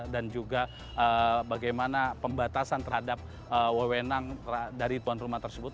dan juga bagaimana pembatasan terhadap wewenang dari tuan rumah tersebut